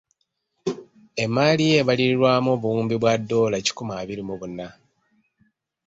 Emmaali ye ebalirirwamu obuwumbi bwa ddoola kikumu abiri mu buna.